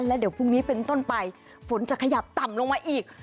แล้วเดี๋ยวพรุ่งนี้เป็นต้นไปฝนจะขยับต่ำลงมาอีก